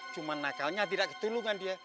cuma nakalnya tidak ketulungan dia